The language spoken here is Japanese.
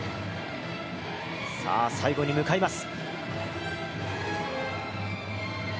さあ、最後に向かいます。